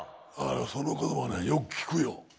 その言葉はねよく聞くよ。